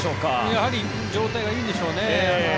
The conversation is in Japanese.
やはり状態がいいんでしょうね。